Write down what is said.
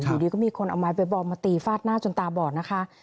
อยู่ดีก็มีคนเอาไม้ไปบอมมาตีฟาดหน้าจนตาบอดนะคะ